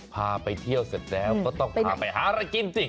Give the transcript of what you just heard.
พาไปเที่ยวเสร็จแล้วก็ต้องพาไปหาอะไรกินสิ